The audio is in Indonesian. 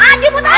aji buat aku